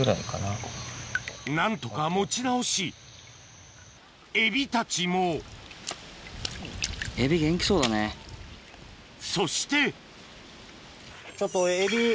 何とか持ち直しエビたちもそしてちょっとエビ